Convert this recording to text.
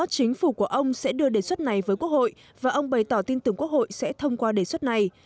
chính phủ của ông sẽ đưa đề xuất này với quốc hội và ông bày tỏ tin tưởng quốc hội sẽ thông qua đề xuất này